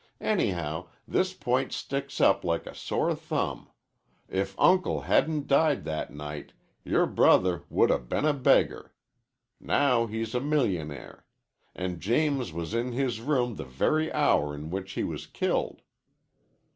Anyhow, this point sticks up like a sore thumb: if uncle hadn't died that night your brother would 'a' been a beggar. Now he's a millionaire. And James was in his room the very hour in which he was killed."